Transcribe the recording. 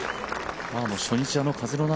初日、あの風の中